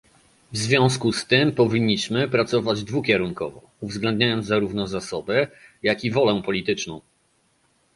W związku z tym powinniśmy pracować dwukierunkowo, uwzględniając zarówno zasoby, jak i wolę polityczną